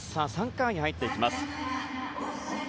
３回に入っていきます。